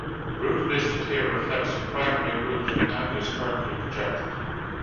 Route listed here reflects the primary route, and is currently projected.